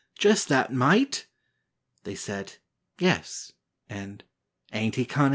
Just that mite!" They said, "Yes," and, "Ain't he cunnin'?"